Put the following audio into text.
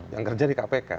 yang kerja di kpk